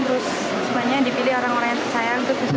terus sebenarnya dipilih orang orang yang disayang itu susah